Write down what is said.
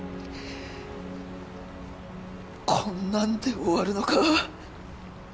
こんなんで終わるのか